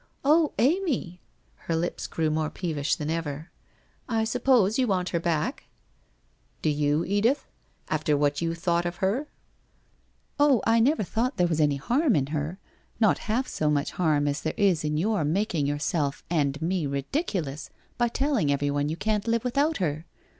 ' Oh, Amy !' Her lips grew more peevish than ever. ' I suppose you want her back ?'' Do you, Edith ? After what you thought of her ?'* Oh, I never thought there was any harm in her. Not half so much harm as there is in your making yourself and me ridiculous by telling everyone you can't live with out her.